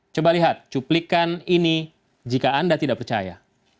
coba lihat cuplikan ini jika anda tidak percaya